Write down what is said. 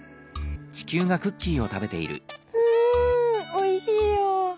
うんおいしいよ。